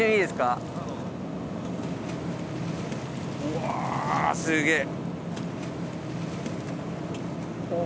うわすげえ。